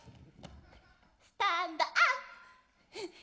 スタンドアップ！